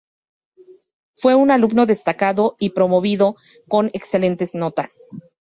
Fue un alumno destacado y promovido con excelentes notas.